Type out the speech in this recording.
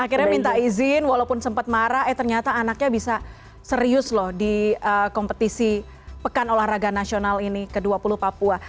akhirnya minta izin walaupun sempat marah eh ternyata anaknya bisa serius loh di kompetisi pekan olahraga nasional ini ke dua puluh papua